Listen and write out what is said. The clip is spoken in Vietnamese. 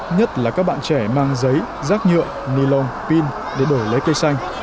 nhất là các bạn trẻ mang giấy rác nhựa nilon pin để đổi lấy cây xanh